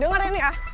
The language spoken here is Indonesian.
dengar ini ah